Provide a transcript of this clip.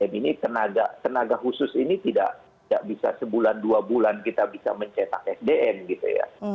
ini tenaga khusus ini tidak bisa sebulan dua bulan kita bisa mencetak sdm gitu ya